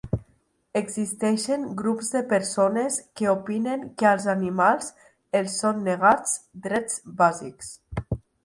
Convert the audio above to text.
Existeixen grups de persones que opinen que als animals els són negats drets bàsics.